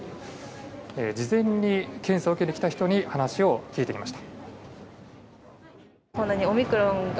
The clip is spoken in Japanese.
事前に検査を受けに来た人に話を聞いてきました。